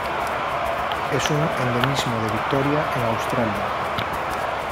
Es un endemismo de Victoria en Australia.